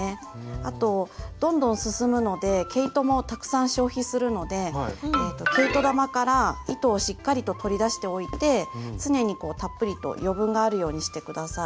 あとどんどん進むので毛糸もたくさん消費するので毛糸玉から糸をしっかりと取り出しておいて常にたっぷりと余分があるようにして下さい。